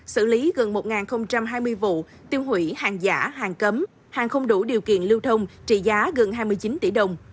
xử lý gần một hai mươi vụ tiêu hủy hàng giả hàng cấm hàng không đủ điều kiện lưu thông trị giá gần hai mươi chín tỷ đồng